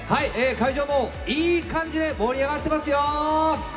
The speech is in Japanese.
会場もいい感じで盛り上がってますよ！